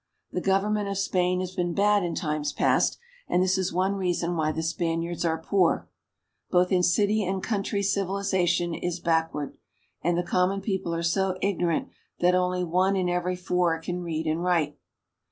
The government of Spain has been bad in times past, and this is one reason why the Spaniards are poor. Both in city and country civilization is backward, and the common people are so ignorant that only one in every four can read and write.